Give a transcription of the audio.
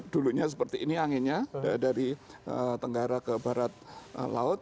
dulunya seperti ini anginnya dari tenggara ke barat laut